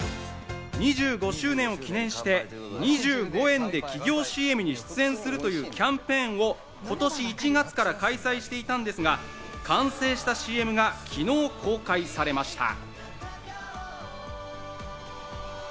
２５周年を記念して、２５円で企業ＣＭに出演するというキャンペーンを今年１月から開催していたんですが、完成したＣＭが昨日公開されました。